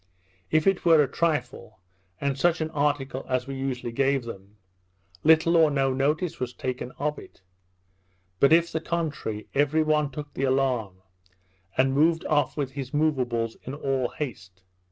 If it were a trifle, and such an article as we usually gave them, little or no notice was taken of it; but if the contrary, every one took the alarm, and moved off with his moveables in all haste.